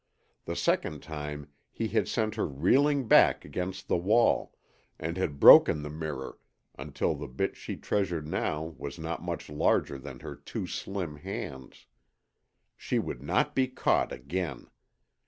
The second time he had sent her reeling back against the wall, and had broken the mirror until the bit she treasured now was not much larger than her two slim hands. She would not be caught again.